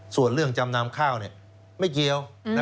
ส่วนเรื่องจำนำข้าวไม่เกี่ยว